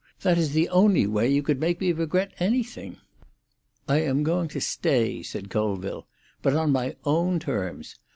That is the only way you could make me regret anything." "I am going to stay," said Colville. "But on my own terms.